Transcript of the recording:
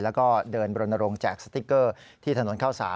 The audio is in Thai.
แล้วก็เดินบรณรงค์แจกสติ๊กเกอร์ที่ถนนข้าวสาร